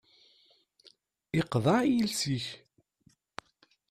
Iqḍeε yiles-ik.